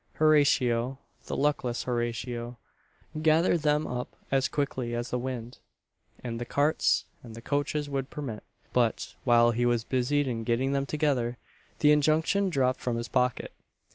Horatio the luckless Horatio gathered them up as quickly as the wind, and the carts, and the coaches would permit; but, whilst he was busied in getting them together, the injunction dropped from his pocket.